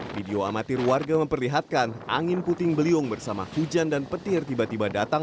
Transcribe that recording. video amatir warga memperlihatkan angin puting beliung bersama hujan dan petir tiba tiba datang